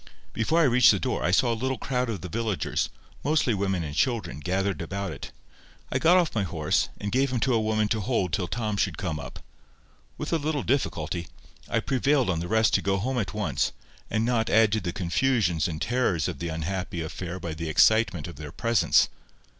Before I reached the door, I saw a little crowd of the villagers, mostly women and children, gathered about it. I got off my horse, and gave him to a woman to hold till Tom should come up. With a little difficulty, I prevailed on the rest to go home at once, and not add to the confusions and terrors of the unhappy affair by the excitement of their presence.